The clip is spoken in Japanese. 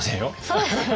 そうですよね。